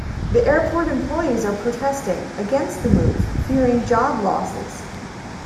The airport employees are protesting against the move fearing job losses.